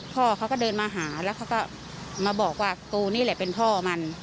พ่อเขาก็เดินมาหาแล้วเขาก็มาบอกว่ากูนี่แหละเป็นพ่อมัน